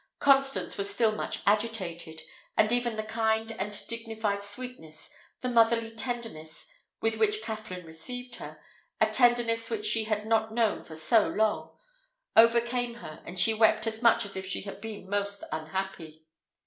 Constance was still much agitated, and even the kind and dignified sweetness, the motherly tenderness, with which Katherine received her a tenderness which she had not known for so long overcame her, and she wept as much as if she had been most unhappy.